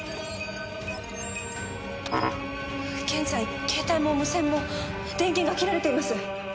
現在ケータイも無線も電源が切られています。